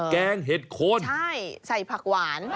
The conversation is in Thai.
แกงเห็ดคนใช่ใส่ผักหวาน